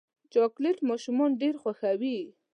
چاکلېټ ماشومان ډېر خوښوي.